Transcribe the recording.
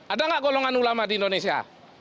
ada nggak golongan ulama di indonesia